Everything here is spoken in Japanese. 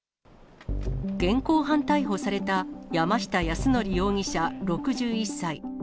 現行犯逮捕された、山下泰範容疑者６１歳。